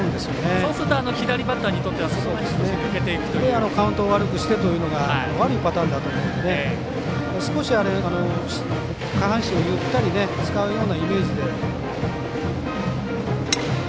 そうすると左バッターにとってはカウントを悪くしてというのが悪いパターンだと思うんで少し下半身をゆったり使うようなイメージで。